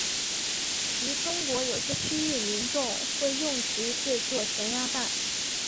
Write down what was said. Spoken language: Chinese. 于中国有些区域民众会用其制作咸鸭蛋。